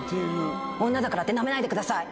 女だからってナメないでください。